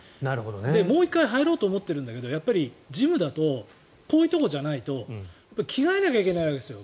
もう一回入ろうと思ってるんだけどジムだとこういうところじゃないと着替えなきゃいけないんですよ。